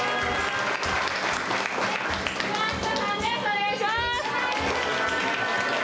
お願いします。